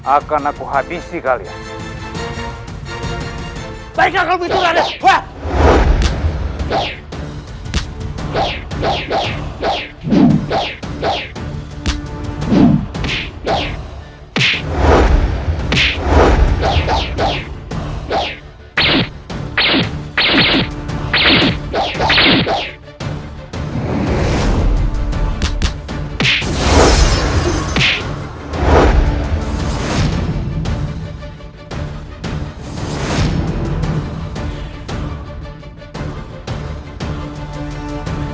akan aku habisi kalian